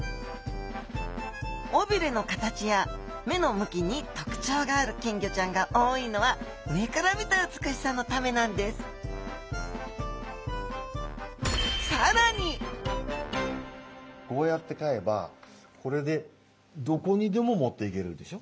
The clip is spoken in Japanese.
尾びれの形や目の向きに特徴がある金魚ちゃんが多いのは上から見た美しさのためなんですこうやって飼えばこれでどこにでも持っていけるでしょ？